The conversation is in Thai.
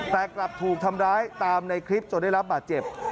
แต่กลับถูกทำร้ายตามในคลิปจนได้รับบาดเจ็บ